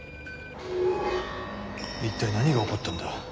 一体何が起こったんだ？